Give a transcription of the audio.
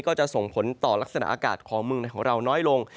ก็จะส่งผลต่อลักษณะอากาศของเมืองในของเราน้อยลง